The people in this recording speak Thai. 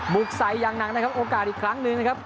กใส่อย่างหนักนะครับโอกาสอีกครั้งหนึ่งนะครับ